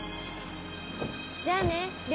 じゃあね亮。